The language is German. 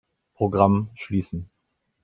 Programm schließen.